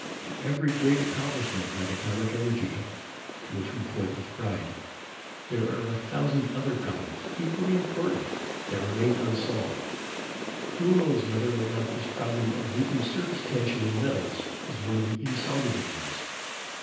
For every great accomplishment like atomic energy, to which we point with pride, there are a thousand other problems, equally important, that remain unsolved. Who knows whether or not this problem of weakened surface tension in metals is one of the insoluble ones?"